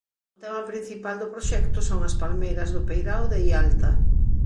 O tema principal do proxecto son as palmeiras do peirao de Ialta.